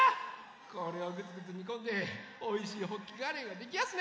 これをぐつぐつにこんでおいしいホッキカレーができやすね！